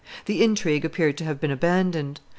The intrigue appeared to have been abandoned.